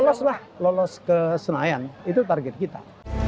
lolos lah lolos ke senayan itu target kita